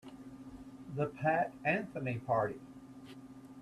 The Pat Anthony Party.